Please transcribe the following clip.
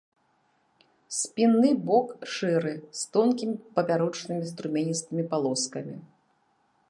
Спінны бок шэры, з тонкімі папярочнымі струменістымі палоскамі.